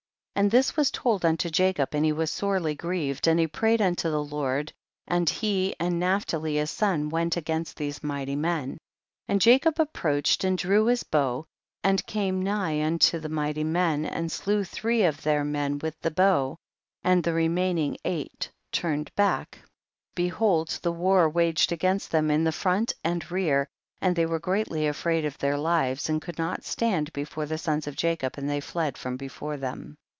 45. And this was to}d unto Jacob, and he was sorely grieved, and he prayed unto the Lord, and he and Naphtali his son went against these mighty men. 46. And Jacob approached and drew his bow, and came nigh unto the mighty men, and slew three of their men with the bow, and the re maining eight turned back, and be 116 THE BOOK OF JASHER. hold, the war waged against them in the front and rear, and thev were greatly afraid of their lives, and could not stand before the sons of Jacob, and they fled from before them.